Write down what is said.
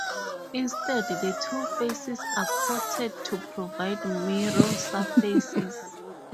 Instead, the two faces are coated to provide mirror surfaces.